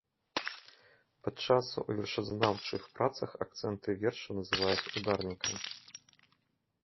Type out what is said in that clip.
Падчас у вершазнаўчых працах акцэнтны верша называюць ударнікам.